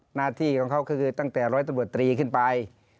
หน้าที่ของเขาก็คือตั้งแต่ร้อยตำรวจตรีขึ้นไป